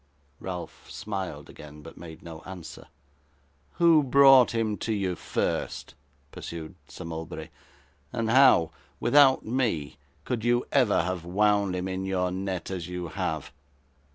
Ralph smiled again, but made no answer. 'Who brought him to you first?' pursued Sir Mulberry; 'and how, without me, could you ever have wound him in your net as you have?